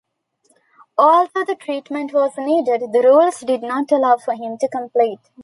Although the treatment was needed, the rules did not allow for him to compete.